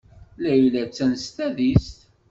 Layla attan s tadist.